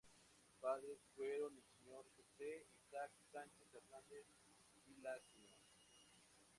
Sus padres fueron el Sr. Jose Isaac Sánchez Hernández y la Sra.